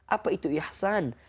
apa itu ihsan